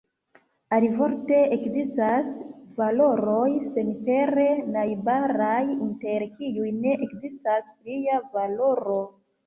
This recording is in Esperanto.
Alivorte, ekzistas valoroj senpere najbaraj, inter kiuj ne ekzistas plia valoro.